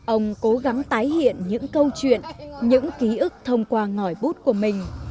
ông cố gắng tái hiện những câu chuyện những ký ức thông qua ngòi bút của mình